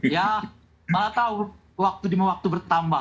ya malah tahu waktu bertambah